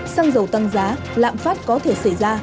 xăng dầu tăng giá lạm phát có thể xảy ra